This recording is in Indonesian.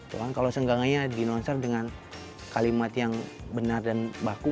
cuman kalau sengganganya dinoncer dengan kalimat yang benar dan baku